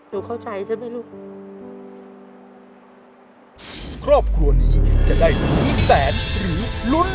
หนูเข้าใจใช่ไหมลูก